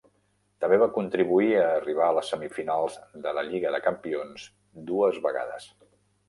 També va contribuir a arribar a les semifinals de la Lliga de campions dues vegades.